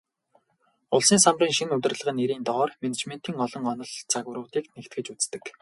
Улсын салбарын шинэ удирдлага нэрийн доор менежментийн олон онол, загваруудыг нэгтгэж үздэг.